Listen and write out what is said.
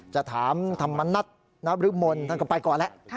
จะถามธรรมนัฐนบริมลท่านก็ไปก่อนแล้ว